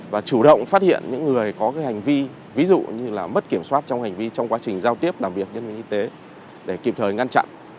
và chủ động phát hiện những người có hành vi ví dụ như là mất kiểm soát trong hành vi trong quá trình giao tiếp làm việc nhân viên y tế để kịp thời ngăn chặn